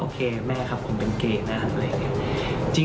โอเคแม่ครับผมเป็นเกย์นะครับ